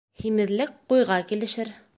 Һимеҙлек ҡуйға килешер.